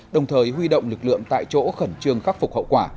đồng thời huy động lực lượng tại chỗ khẩn trương khắc phục hậu quả